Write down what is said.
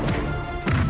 aku akan buktikan